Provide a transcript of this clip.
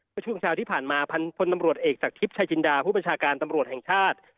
ช่วงเช้าที่ผ่านมาพลตำรวจเอกจากทิพย์ชายจินดาผู้ประชาการตำรวจแห่งชาติ